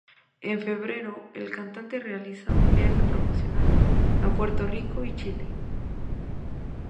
En febrero, el cantante realiza un viaje promocional a Puerto Rico y Chile.